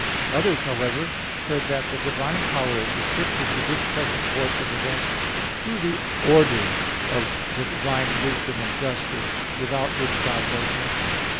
Others, however, said that the divine power is restricted to this present course of events through the order of the divine wisdom and justice without which God does nothing.